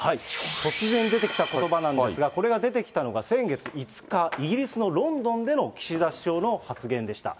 突然出てきたことばなんですが、これが出てきたのが先月５日、イギリスのロンドンでの岸田首相の発言でした。